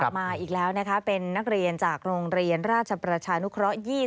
มาอีกแล้วนะคะเป็นนักเรียนจากโรงเรียนราชประชานุเคราะห์